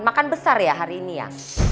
makan besar ya hari ini ya